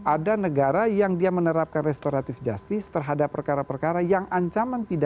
ada negara yang dia menerapkan restoratif justice hanya untuk perkara perkara yang dijatuhi pidana denda